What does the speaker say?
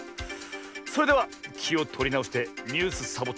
それではきをとりなおして「ニュースサボ１０」